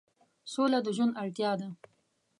سوله د ژوند اړتیا ده.